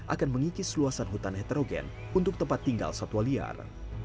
akan mengikis luasan hutan heterogen untuk tempat tinggal satwa liar